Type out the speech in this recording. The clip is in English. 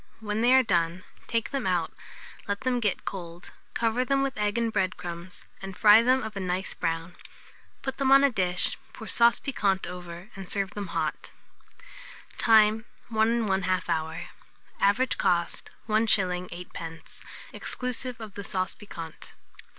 When they are done, take them out, let them get cold, cover them with egg and bread crumbs, and fry them of a nice brown. Put them on a dish, pour sauce piquante over, and serve them hot. Time. 1 1/2 hour. Average cost, 1s. 8d., exclusive of the sauce piquante.